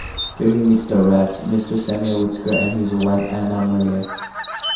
There he meets the rats, Mr. Samuel Whiskers and his wife Anna Maria.